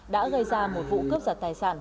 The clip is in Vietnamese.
đã gây ra một vụ cướp giặt tài sản